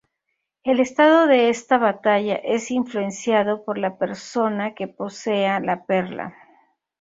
El estado de esta batalla es influenciado por la persona que posea la perla.